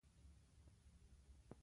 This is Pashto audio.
زه د پوهنتون استاد يم.